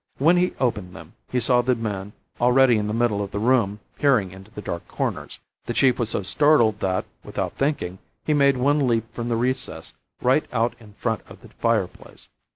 When he opened them, he saw the man already in the middle of the room peering into the dark corners. The chief was so startled that, without thinking, he made one leap from the recess right out in front of the fireplace.